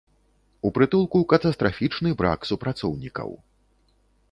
У прытулку катастрафічны брак супрацоўнікаў.